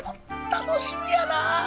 楽しみやな。